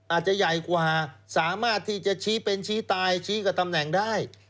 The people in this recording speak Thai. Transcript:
อาจจะใหญ่กว่าสามารถที่จะชี้เป็นชี้ตายชี้กับตำแหน่งได้